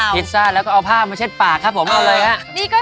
พิซซ่าแล้วก็เอาผ้ามาเช็ดปากครับผมเอาเลยครับ